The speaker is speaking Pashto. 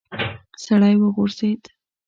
سړی وغورځېد.